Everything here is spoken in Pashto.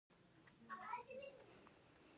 دې مبادلې ته توکي د پیسو په مقابل کې وايي